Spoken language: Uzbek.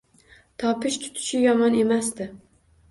Topish-tutishi yomon emasdi